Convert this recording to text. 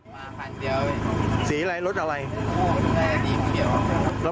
มากี่คนละน้อง